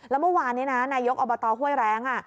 แล้วเมื่อวานนี้นะนายกอบตห้วยแรง